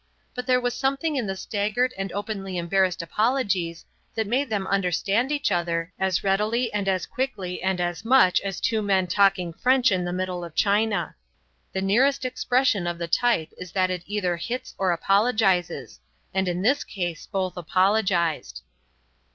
But there was something in the staggered and openly embarrassed apologies that made them understand each other as readily and as quickly and as much as two men talking French in the middle of China. The nearest expression of the type is that it either hits or apologizes; and in this case both apologized.